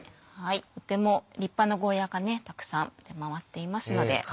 とても立派なゴーヤがたくさん出回っていますので。